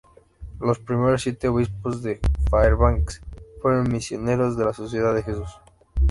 Los primeros siete obispos de Fairbanks fueron misioneros de de la Sociedad de Jesús.